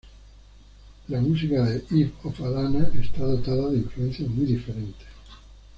La música de Eve of Alana está dotada de influencias muy diferentes.